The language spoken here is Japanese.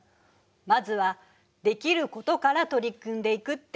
まずはできることから取り組んでいくって感じ？